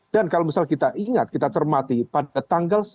dan kalau misalnya kita ingat kita cermati pada tanggal sembilan oktober